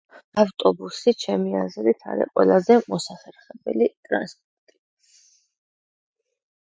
ავტობუსი, ჩემი აზრით, არი ყველაზე მოსახერხებელი ტრანსპორტი.